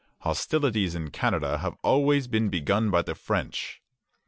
Hostilities in Canada have always been begun by the French."